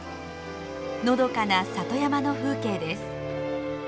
のどかな里山の風景です。